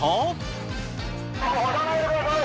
押さないでください。